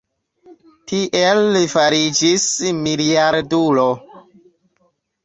Tiel li fariĝis miliardulo.